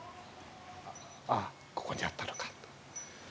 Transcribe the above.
ああここにあったのかと。